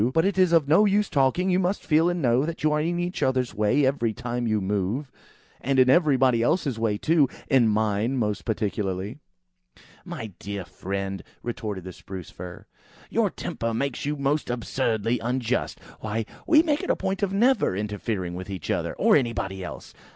But it is of no use talking! You must feel and know that you are in each other's way every time you move; and in everybody else's way too. In mine, most particularly." "My dear friend," retorted the Spruce fir, "your temper makes you most absurdly unjust. Why, we make a point of never interfering with each other, or with anybody else!